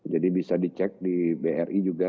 jadi bisa dicek di bri juga